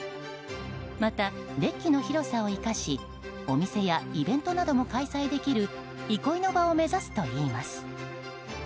また、デッキの広さを生かしお店やイベントなども開催できる憩いの場を目指すといいます。